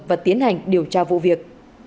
và tiến hành điều tra vụ việc